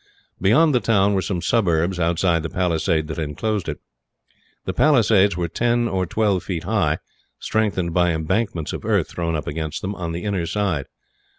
Beyond the town were some suburbs, outside the palisade that inclosed it. The palisades were ten or twelve feet high, strengthened by embankments of earth thrown up against them, on the inner side.